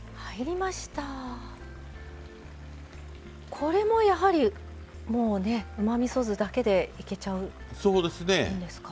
これもやはりもうねうまみそ酢だけでいけちゃうんですか。